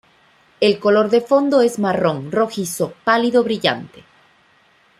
El color de fondo es marrón rojizo pálido brillante.